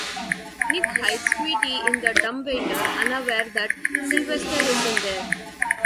Nick hides Tweety in the dumbwaiter, unaware that Sylvester is in there.